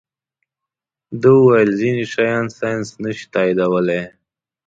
ده ویل ځینې شیان ساینس نه شي تائیدولی.